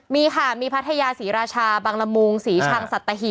มีค่ะมีพัทยาศรีราชาบังละมุงศรีชังสัตหี